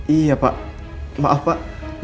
iya pak maaf pak